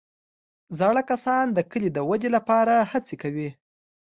زاړه کسان د کلي د ودې لپاره هڅې کوي